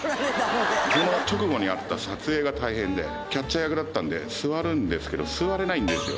その直後にあった撮影が大変で、キャッチャー役だったんで、座るんですけど、座れないんですよ。